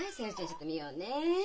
ちょっと診ようね。